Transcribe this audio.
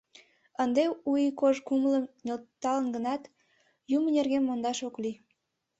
Ынде у ий кож кумылым нӧлталын гынат, юмо нерген мондаш ок лий.